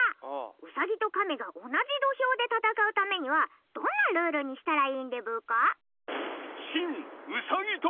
ウサギと亀が同じ土俵で戦うためにはどんなルールにしたらいいんでブーカ？